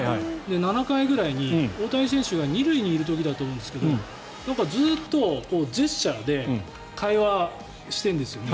７回ぐらいに、大谷選手が２塁にいる時だと思うんですけどずっとジェスチャーで会話しているんですよね。